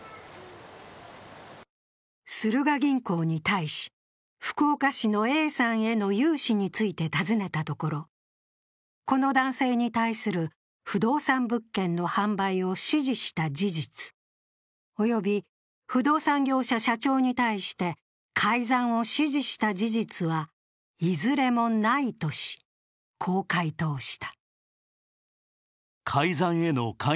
スルガ銀行に対し、福岡市のＡさんへの融資について尋ねたところ、この男性に対する不動産物件の販売を指示した事実および、不動産業者社長に対して改ざんを指示した事実はいずれもないとし、こう回答した。